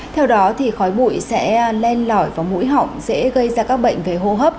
theo đó thì khói bụi sẽ len lỏi vào mũi họng dễ gây ra các bệnh về hô hấp